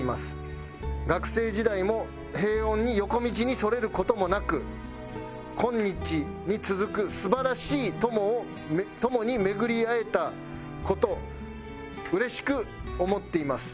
「学生時代も平穏に横道にそれる事もなく今日に続く素晴らしい友を友に巡り会えた事うれしく思っています」